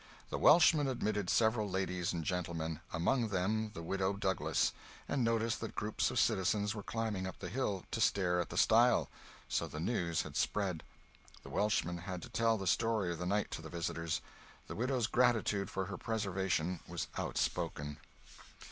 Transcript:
The Welshman admitted several ladies and gentlemen, among them the Widow Douglas, and noticed that groups of citizens were climbing up the hill—to stare at the stile. So the news had spread. The Welshman had to tell the story of the night to the visitors. The widow's gratitude for her preservation was outspoken.